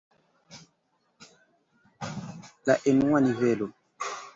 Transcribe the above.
La enua nivelo.